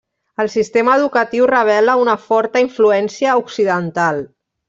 El sistema educatiu revela una forta influència occidental.